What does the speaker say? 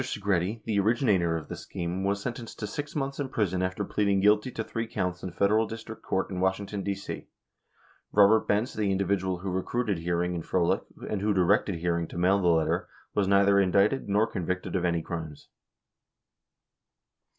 Segretti, the originator of the scheme, was sentenced to 6 months in prison after pleading guilty to three counts 69 in Federal District Court in Washington, D.C. Robert Benz, the in dividual who recruited Hearing and Frohlich, and who directed Hear ing to mail the letter, was neither indicted nor convicted of any crimes.